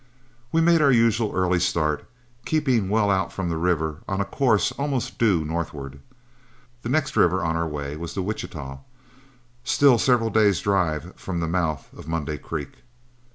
We made our usual early start, keeping well out from the river on a course almost due northward. The next river on our way was the Wichita, still several days' drive from the mouth of Monday Creek.